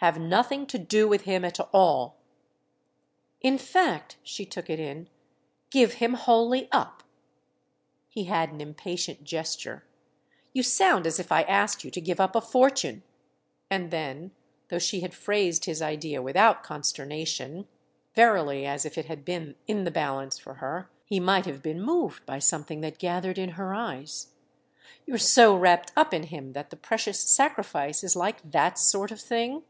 "Have nothing to do with him at all." "In fact"—she took it in—"give him wholly up." He had an impatient gesture. "You sound as if I asked you to give up a fortune!" And then, though she had phrased his idea without consternation—verily as if it had been in the balance for her—he might have been moved by something that gathered in her eyes. "You're so wrapped up in him that the precious sacrifice is like that sort of thing?"